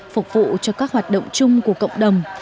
phục vụ cho các hoạt động chung của cộng đồng